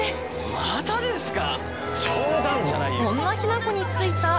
またですか？